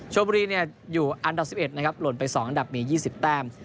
ชมบุรีอยู่อันดับ๑๑นะครับหล่นไป๒อันดับมี๒๐แต้ม